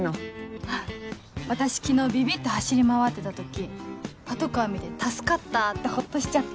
あっ私昨日ビビって走り回ってた時パトカー見て「助かった！」ってホッとしちゃって。